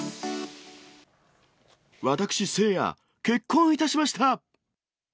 私、せいや、結婚いたしました。